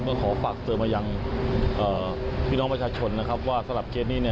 ก็ขอฝากเติมะยังพี่น้องประชาชนว่าสำหรับเกษตรนี้